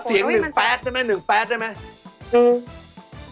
ขอเสียงหนึ่งแป๊ดได้ไหมหนึ่งแป๊ดได้ไหม